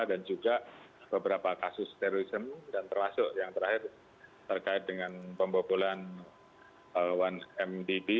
dan juga beberapa kasus terorisme dan terasuk yang terakhir terkait dengan pembobolan satu mdb